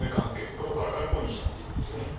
これをガラガラポンにしたっていうことですよね。